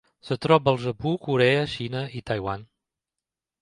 Es troba al Japó, Corea, Xina i Taiwan.